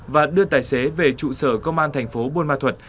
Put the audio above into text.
và đưa tài xế về trụ sở công an thành phố buôn ma thuật